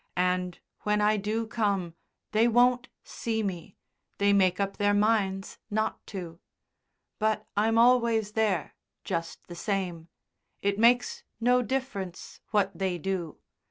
And when I do come they won't see me, they make up their minds not to. But I'm always there just the same; it makes no difference what they do.